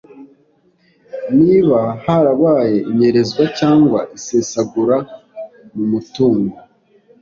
niba harabaye inyerezwa cyangwa isesagura mutungo